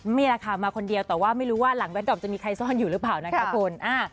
นี่แหละค่ะมาคนเดียวแต่ว่าไม่รู้ว่าหลังแวดรอปจะมีใครซ่อนอยู่หรือเปล่านะคะคุณ